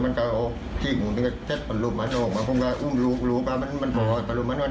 มันก็หูเนี่ยผมก็ต้องหับตาด้วยเหมือนกันนะครับส่วนหลักมันเตี้ยมันต้องหักกันกับหวาด